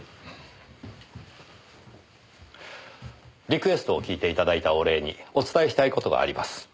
リクエストを聞いて頂いたお礼にお伝えしたい事があります。